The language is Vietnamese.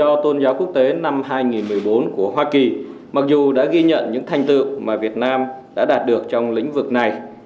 theo tôn giáo quốc tế năm hai nghìn một mươi bốn của hoa kỳ mặc dù đã ghi nhận những thành tựu mà việt nam đã đạt được trong lĩnh vực này